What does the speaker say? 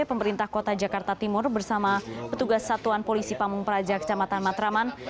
pemerintah kota jakarta timur bersama petugas satuan polisi pamung praja kecamatan matraman